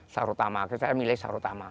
sarotama saya milih sarotama